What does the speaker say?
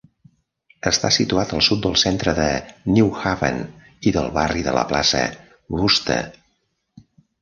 Està situat al sud del centre de New Haven i del barri de la plaça Wooster.